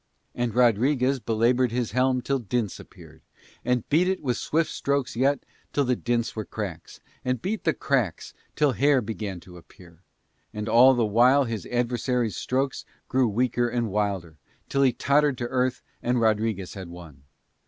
And Rodriguez belaboured his helm till dints appeared, and beat it with swift strokes yet till the dints were cracks, and beat the cracks till hair began to appear: and all the while his adversary's strokes grew weaker and wilder, until he tottered to earth and Rodriguez had won.